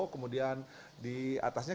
kemudian di atasnya